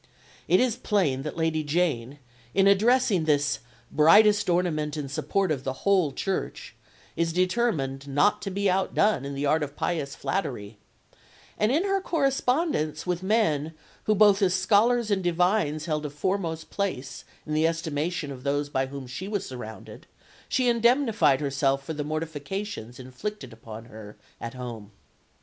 It is plain that Lady Jane, in addressing this "brightest ornament and support of the whole Church," is determined not to be outdone in the art of pious flattery; and in her correspondence with men who both as scholars and divines held a foremost place in the estimation of those by whom she was surrounded, she indemnified herself for the mortifications inflicted upon her at home.